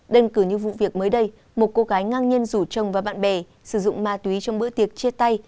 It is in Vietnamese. đơn cử như vụ việc mới đây một cô gái ngang nhiên rủ chồng và bạn bè sử dụng ma túy trong bữa tiệc chia tay